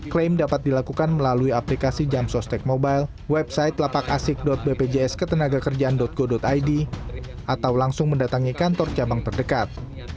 klaim dapat dilakukan melalui aplikasi jamso stek mobile website lapakasik bpjsketenagakerjaan go id atau langsung mendatangi kantor cabang terdekat